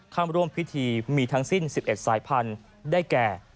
เข้าร่วมพิธีมีทั้งสิ้น๑๑สายพันธุ์ได้แก่